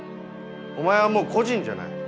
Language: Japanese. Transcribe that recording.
お前はもう個人じゃない。